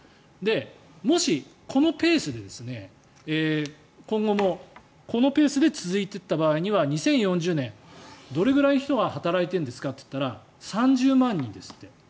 もし、このペースで今後も続いていった場合には２０４０年、どれぐらいの人が働いてるんですかといったら３０万人ですって。